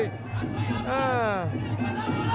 อ้า